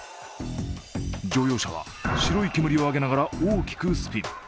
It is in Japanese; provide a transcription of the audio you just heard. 乗用車は白い煙を上げながら大きくスピン。